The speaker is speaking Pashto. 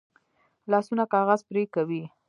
لاسونه کاغذ پرې کوي